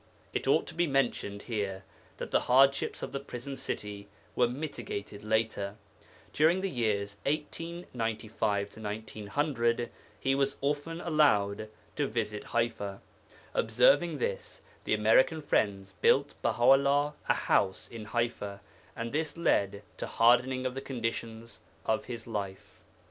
It ought to be mentioned here that the hardships of the prison city were mitigated later. During the years 1895 1900 he was often allowed to visit Ḥaifa. Observing this the American friends built Baha 'ullah a house in Ḥaifa, and this led to a hardening of the conditions of his life.